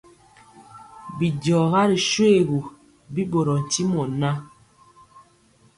Bidiɔga ri shoégu, bi ɓorɔɔ ntimɔ ŋan.